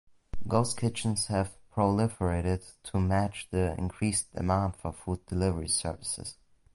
Ghost kitchens have proliferated to match the increased demand for food delivery services.